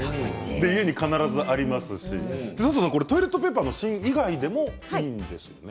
家に必ずありますしトイレットペーパーの芯以外でもいいですよね。